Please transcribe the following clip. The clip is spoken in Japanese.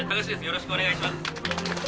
よろしくお願いします